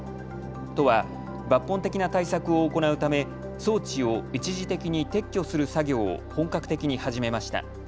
都は抜本的な対策を行うため装置を一時的に撤去する作業を本格的に始めました。